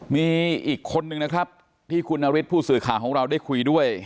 มีอีกคนนึงนะครับที่คุณนฤทธิผู้สื่อข่าวของเราได้คุยด้วย